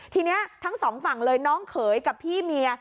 ทีนี้ทั้งสองฝั่งเลยน้องเขยกับพี่เมีย